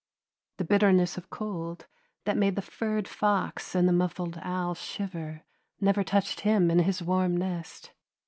The bitterness of cold, that made the furred fox and the muffled owl shiver, never touched him in his warm nest.